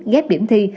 ghép điểm thi